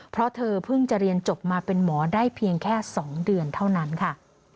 เพราะเธอเพิ่งจะเรียนจบมาเป็นหมอได้เพียงแค่๒เดือนเท่านั้นค่ะ